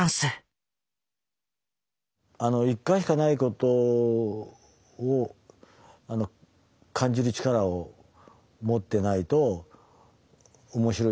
一回しかない事を感じる力を持ってないと面白い写真は撮れない。